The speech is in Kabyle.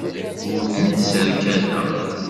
Ur tent-sserkadeɣ.